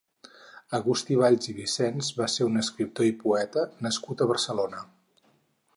Agustí Valls i Vicens va ser un escriptor i poeta nascut a Barcelona.